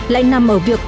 lại nằm ở việc